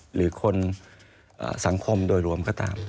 หรือคนสังคมโดยรวมก็ตาม